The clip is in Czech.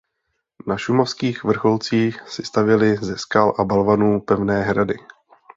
Na šumavských vrcholcích si stavěli ze skal a balvanů pevné hrady.